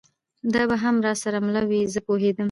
دا به هم را سره مله وي، زه پوهېدم.